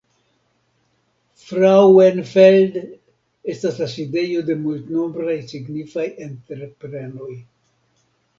Frauenfeld estas la sidejo de multnombraj signifaj entreprenoj.